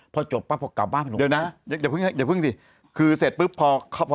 พอจบป่ะพอกลับบ้านเดี๋ยวนะอย่าเพิ่งดิคือเสร็จปุ๊บพอเขา